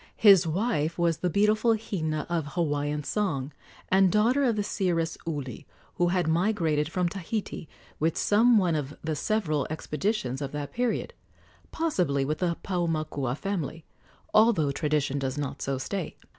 His wife was the beautiful Hina of Hawaiian song and daughter of the seeress Uli, who had migrated from Tahiti with some one of the several expeditions of that period possibly with the Paumakua family, although tradition does not so state.